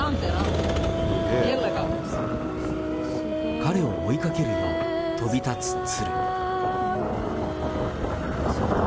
彼を追いかけるように飛び立つ鶴。